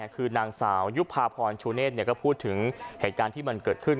คือนางสาวยุภาพรชูเนธก็พูดถึงเหตุการณ์ที่มันเกิดขึ้น